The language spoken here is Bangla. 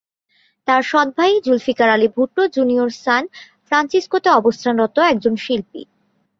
তার সৎ ভাই জুলফিকার আলী ভুট্টো জুনিয়র সান ফ্রান্সিসকোতে অবস্থানরত একজন শিল্পী।